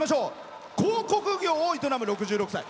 広告業を営む６６歳。